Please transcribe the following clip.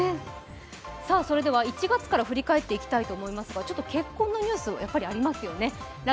それでは１月から振り返っていきたいと思いますが結婚のニュース、やっぱりありますよね。